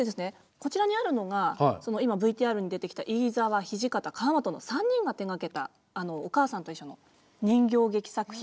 こちらにあるのが今ＶＴＲに出てきた飯沢土方川本の３人が手がけた「おかあさんといっしょ」の人形劇作品。